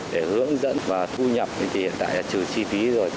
để hướng dẫn và thu nhập thì hiện tại là trừ chi phí rồi